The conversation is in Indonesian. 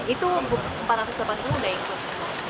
itu rp empat ratus delapan puluh juta udah ikut